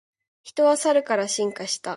人はサルから進化した